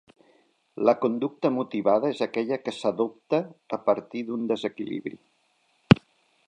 La conducta motivada és aquella que s'adopta a partir d'un desequilibri?